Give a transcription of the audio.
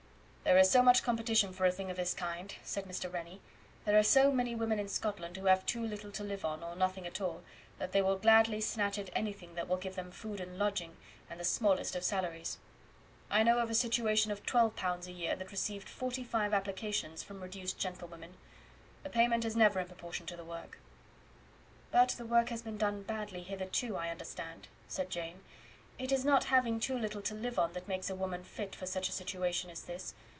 "There is so much competition for a thing of this kind," said Mr. Rennie. "There are so many women in Scotland who have too little to live on, or nothing at all, that they will gladly snatch at anything that will give them food and lodging, and the smallest of salaries. I know of a situation of 12 pounds a year that received forty five applications from reduced gentlewomen. The payment is never in proportion to the work." "But the work has been badly done hitherto, I understand," said Jane. "It is not having too little to live on that makes a woman fit for such a situation as this.